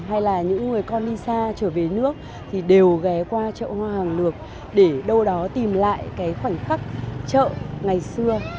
hay là những người con đi xa trở về nước thì đều ghé qua trợ hoa hàng lược để đâu đó tìm lại khoảnh khắc trợ ngày xưa